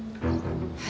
はい？